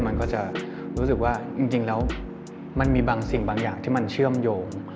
มันก็จะรู้สึกว่าจริงแล้วมันมีบางสิ่งบางอย่างที่มันเชื่อมโยง